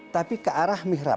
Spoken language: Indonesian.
tapi ke arah mihrab